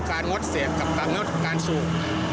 งดเสพกับการงดการสูบ